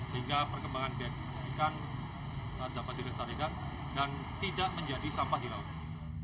sehingga perkembangan ikan dapat dilestarikan dan tidak menjadi sampah di laut